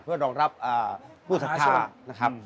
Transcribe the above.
เพื่อรองรับผู้ศัตริย์ชนทราบ